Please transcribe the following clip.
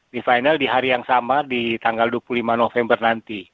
di final di hari yang sama di tanggal dua puluh lima november nanti